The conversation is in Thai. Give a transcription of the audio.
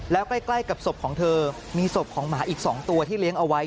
แล้วใกล้กับศพของเธอมีศพของหมาอีก๒ตัวที่เลี้ยงเอาไว้